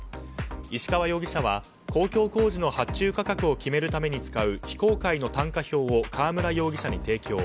石川容疑者は公共工事の発注価格を決めるために使う非公開の単価票を川村容疑者に提供。